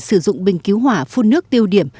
sử dụng bình cứu hỏa phun nước tiêu điểm